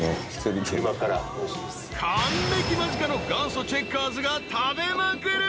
［還暦間近の元祖チェッカーズが食べまくる］